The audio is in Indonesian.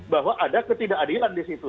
bahwa ada ketidakadilan di situ